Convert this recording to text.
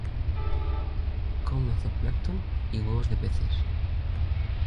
Come zooplancton y huevos de peces.